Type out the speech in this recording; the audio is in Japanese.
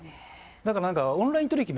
だから何かオンライン取り引き